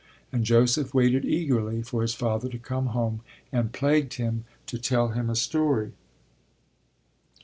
And Joseph waited eagerly for his father to come home, and plagued him to tell him a story.